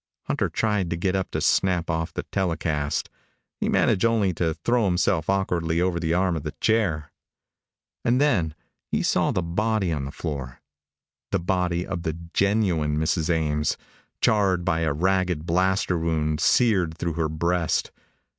Hunter tried to get up to snap off the telecast. He managed only to throw himself awkwardly over the arm of the chair. And then he saw the body on the floor the body of the genuine Mrs. Ames, charred by a ragged blaster wound seared through her breast.